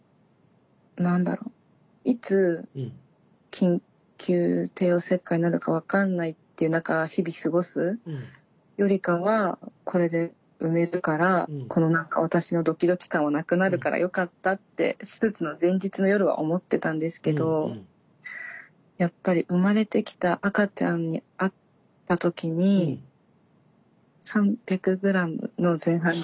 何だろういつ緊急帝王切開になるか分かんないっていう中日々過ごすよりかはこれで産めるからこの私のドキドキ感はなくなるからよかったって手術の前日の夜は思ってたんですけどやっぱり生まれてきた赤ちゃんに会った時に３００ｇの前半で。